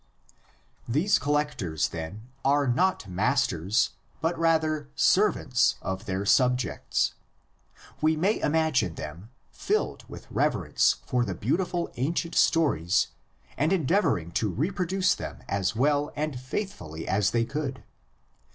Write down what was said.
These collectors, then, are not masters, but rather servants of their subjects. We may imagine them, filled with reverence for the beautiful ancient stories and endeavoring to reproduce them as well and faithfully as they could.